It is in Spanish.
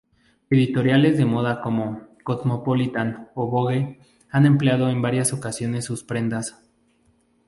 Editoriales de moda como "Cosmopolitan" o "Vogue", han empleado en varias ocasiones sus prendas.